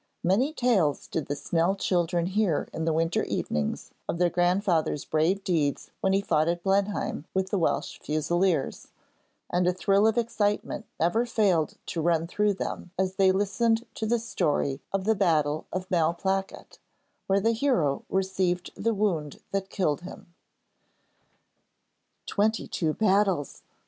Many tales did the Snell children hear in the winter evenings of their grandfather's brave deeds when he fought at Blenheim with the Welsh Fusiliers, and a thrill of excitement never failed to run through them as they listened to the story of the battle of Malplaquet, where the hero received the wound that killed him. 'Twenty two battles!'